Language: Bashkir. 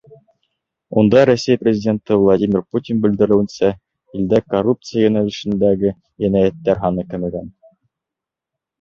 Унда Рәсәй Президенты Владимир Путин белдереүенсә, илдә коррупция йүнәлешендәге енәйәттәр һаны кәмегән.